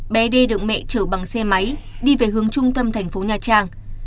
bé đê được mẹ chở bằng xe máy đi về hướng trung tâm tp nha trang